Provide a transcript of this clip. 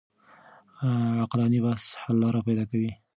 عقلاني بحث حل لاره پيدا کوي.